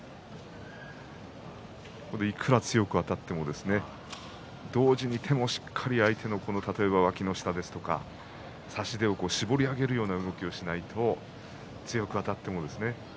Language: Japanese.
いくら強くあたっても同時にいってもしっかりと相手のわきの下とか差し手を絞り上げるような動きをしないと強くあたってもですね